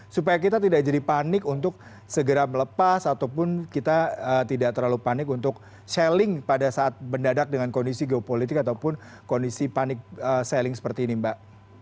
supaya kita tidak jadi panik untuk segera melepas ataupun kita tidak terlalu panik untuk selling pada saat mendadak dengan kondisi geopolitik ataupun kondisi panik selling seperti ini mbak